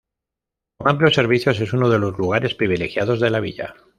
Con amplios servicios es uno de los lugares privilegiados de la villa.